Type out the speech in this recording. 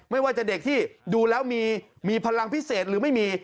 ไม่ว่าจะเด็กที่ดูแล้วมีพลังพิเศษหรือไม่มี